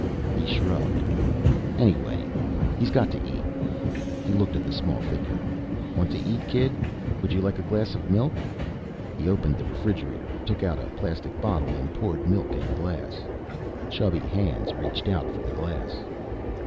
_ He shrugged. "Anyway, he's got to eat." He looked at the small figure. "Want to eat, kid? Would you like a glass of milk?" He opened a refrigerator, took out a plastic bottle and poured milk in a glass. Chubby hands reached out for the glass.